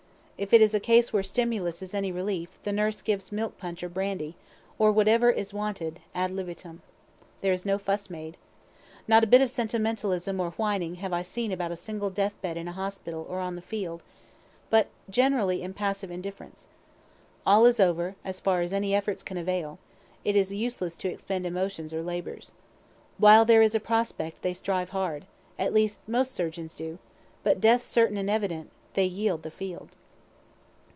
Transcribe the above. If it is a case where stimulus is any relief, the nurse gives milk punch or brandy, or whatever is wanted, ad libitum. There is no fuss made. Not a bit of sentimentalism or whining have I seen about a single death bed in hospital or on the field, but generally impassive indifference. All is over, as far as any efforts can avail; it is useless to expend emotions or labors. While there is a prospect they strive hard at least most surgeons do; but death certain and evident, they yield the field.